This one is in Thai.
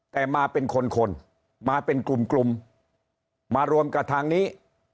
แต่มาเป็นคนคนมาเป็นกลุ่มกลุ่มมารวมกับทางนี้